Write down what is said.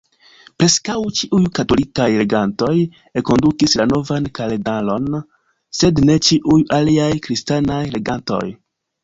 Preskaŭ ĉiuj katolikaj regantoj enkondukis la novan kalendaron, sed ne ĉiuj aliaj kristanaj regantoj.